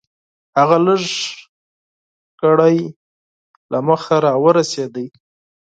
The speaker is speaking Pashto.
هغه لږ ګړی له مخه راورسېد .